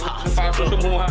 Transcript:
ini palsu semua